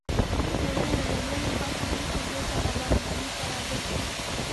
ټولنې له لومړنیو هڅو وروسته بېرته نابرابرۍ ته راګرځي.